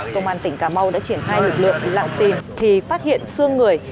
công an tỉnh cà mau đã triển khai lực lượng lặng tin thì phát hiện xương người